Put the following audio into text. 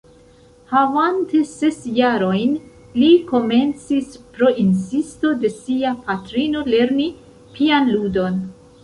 Havante ses jarojn li komencis pro insisto de sia patrino lerni pianludon.